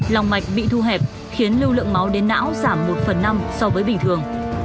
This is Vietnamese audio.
lòng mạch bị thu hẹp khiến lưu lượng máu đến não giảm một phần năm so với bình thường